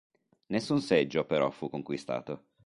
Nessun seggio però fu conquistato.